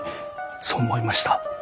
そう思いました。